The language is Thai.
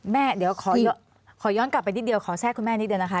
แม่เดี๋ยวขอย้อนกลับไปนิดเดียวขอแทรกคุณแม่นิดเดียวนะคะ